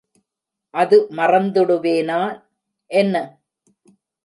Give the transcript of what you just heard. அது மறந்துடுவேனா என்ன?